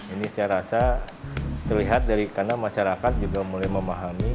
ini saya rasa terlihat dari karena masyarakat juga mulai memahami